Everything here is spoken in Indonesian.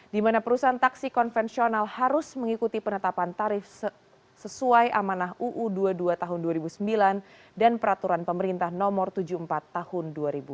di mana perusahaan taksi konvensional harus mengikuti penetapan tarif sesuai amanah uu dua puluh dua tahun dua ribu sembilan dan peraturan pemerintah nomor tujuh puluh empat tahun dua ribu dua puluh